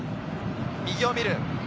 右を見る。